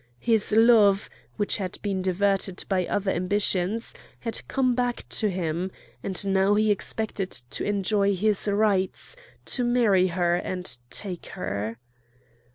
His love, which had been diverted by other ambitions, had come back to him; and now he expected to enjoy his rights, to marry her, and take her.